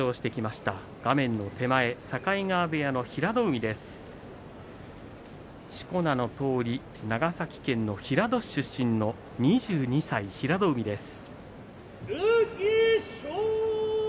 しこ名のとおり長崎県の平戸市出身の２２歳平戸海です。